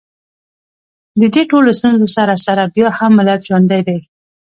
د دې ټولو ستونزو سره سره بیا هم ملت ژوندی دی